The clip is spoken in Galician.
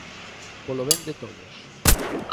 Polo ben de todos.